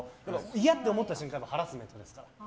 嫌って思った瞬間にハラスメントですからね。